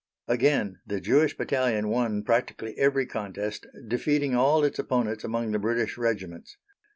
Again the Jewish Battalion won practically every contest, defeating all its opponents among the British Regiments.